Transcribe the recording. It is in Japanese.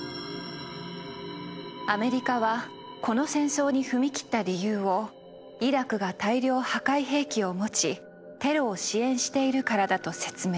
アメリカはこの戦争に踏み切った理由を「イラクが大量破壊兵器を持ちテロを支援しているからだ」と説明。